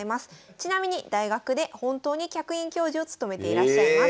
ちなみに大学で本当に客員教授を務めていらっしゃいます。